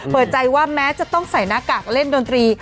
เปิดใจว่าแม้จะต้องใส่หน้ากากเล่นดนตรี